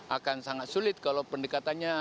akan sangat sulit kalau pendekatannya